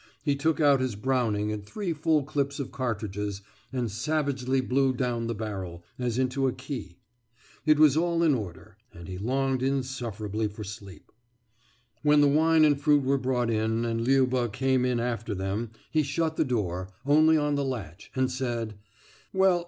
He took out his Browning and three full clips of cartridges, and savagely blew down the barrel, as into a key. It was all in order ... and he longed insufferably for sleep. When the wine and fruit were brought in, and Liuba came in after them, he shut the door, only on the latch, and said: »Well